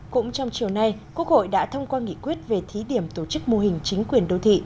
cũng trong chiều nay quốc hội đã thông qua nghị quyết về thí điểm tổ chức mô hình chính quyền đô thị